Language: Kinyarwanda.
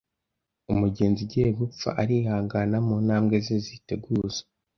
Umugenzi ugiye gupfa, arihangana mu ntwambwe ze ziteguza